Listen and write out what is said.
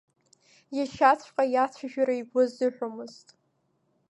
Иашьаҵәҟьа иацәажәара игәы азыҳәомызт.